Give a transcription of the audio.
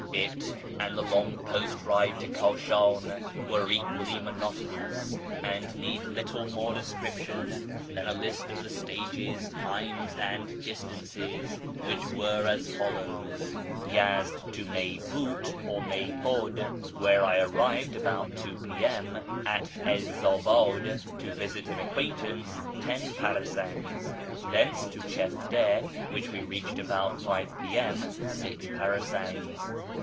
It and the long post ride to Kashan were equally monotonous, and need little more description than a list of the stages, times, and distances, which were as follows :— Yezd to Meybiit or Meybud, where I arrived about 2 p.m., after a two hours' halt at 'Izz ab; id to visit an acquaintance, ten parasangs. Thence to Chifte, which we reached about 5 P.M., six parasangs.